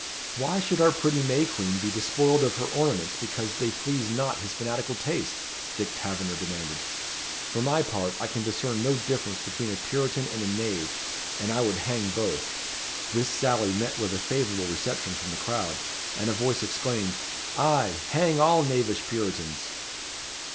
"Why should our pretty May Queen be despoiled of her ornaments because they please not his fanatical taste?" Dick Taverner demanded. "For my part I can discern no difference between a Puritan and a knave, and I would hang both." This sally met with a favourable reception from the crowd, and a voice exclaimed "Ay, hang all knavish Puritans."